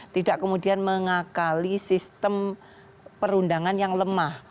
tidak kemudian mengakali sistem perundangan yang lemah